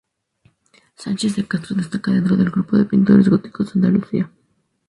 Sánchez de Castro destaca dentro del grupo de pintores góticos de Andalucía.